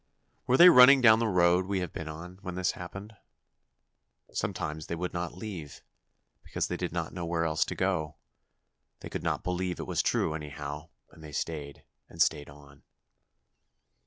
Were they running down the road we have been on, when this happened? Sometimes they would not leave, because they did not know where else to go. They could not believe it was true, anyhow, and they stayed and stayed on.